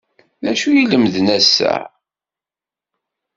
D acu i lemden ass-a?